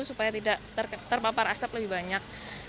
supaya tidak terpapar asap lebih banyak